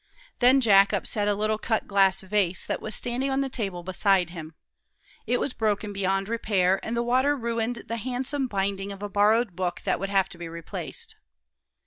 Then Jack upset a little cut glass vase that was standing on the table beside him. It was broken beyond repair, and the water ruined the handsome binding of a borrowed book that would have to be replaced.